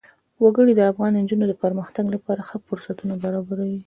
وګړي د افغان نجونو د پرمختګ لپاره ښه فرصتونه برابروي.